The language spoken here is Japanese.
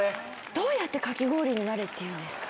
どうやってかき氷になれっていうんですか？